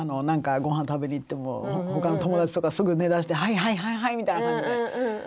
何かごはん食べに行っても他の友達とかすぐね出して「はいはいはいはい」みたいな感じで。